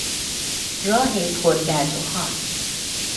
راه پرگرد و خاک